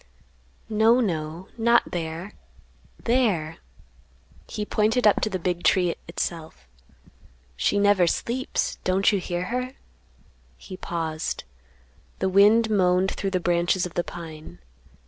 "No, no, not there; there!" He pointed up to the big tree, itself. "She never sleeps; don't you hear her?" He paused. The wind moaned through the branches of the pine.